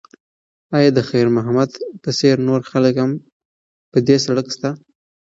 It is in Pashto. ایا د خیر محمد په څېر نور خلک هم په دې سړک شته؟